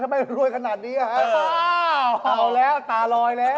ทำให้รวยขนาดนี้อ่ะฮะเอาแล้วตาลอยแล้ว